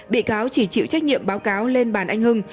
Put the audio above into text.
bị cáo chỉ chịu trách nhiệm báo cáo lên bàn anh hưng